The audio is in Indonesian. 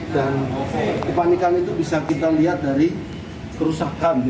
dan kepanikan itu bisa kita lihat dari kerusakan ya